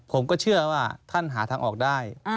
ผมก็เชื่อว่าท่านหาทางออกได้